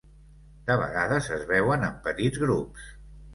De vegades es veuen en petits grups.